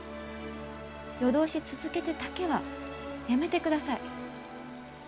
夜通し続けてだけはやめてください。